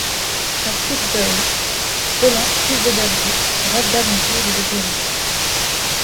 À Tewkesbury, Roland, fils d'aubergiste, rêve d'aventures et de périples.